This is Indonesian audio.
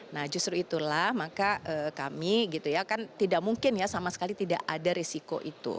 nah justru itulah maka kami tidak mungkin ya sama sekali tidak ada resiko itu